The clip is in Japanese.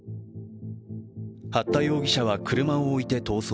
八田容疑者は車を置いて逃走。